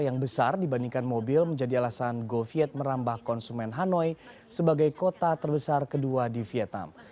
yang besar dibandingkan mobil menjadi alasan goviet merambah konsumen hanoi sebagai kota terbesar kedua di vietnam